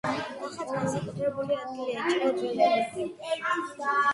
ნახატს განსაკუთრებული ადგილი ეჭირა ძველ ეგვიპტეში.